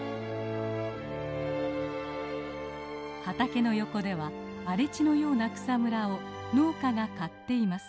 畑の横では荒れ地のような草むらを農家が刈っています。